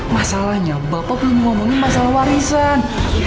masalahnya bapak belum ngomongin masalah warisan